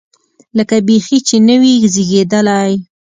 لکه بیخي چې نه وي زېږېدلی.